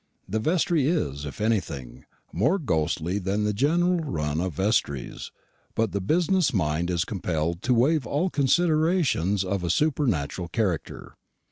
The vestry is, if anything, more ghostly than the general run of vestries; but the business mind is compelled to waive all considerations of a supernatural character.